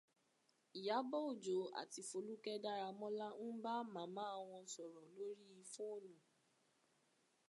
Ìyábọ̀ Òjó àti Folúkẹ́ Dáramọ́lá ń bá màmá wọn sọ̀rọ̀ lórí fóònù